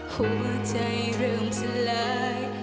หัวใจเริ่มสลาย